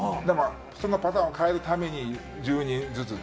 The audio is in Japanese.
でもそのパターンを変えるために１０人ずつ。